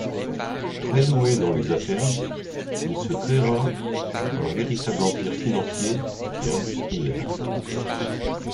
Très doué dans les affaires, il se créera un véritable empire financier et industriel.